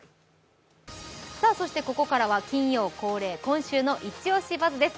ここからは金曜恒例「今週のイチオシバズ！」です。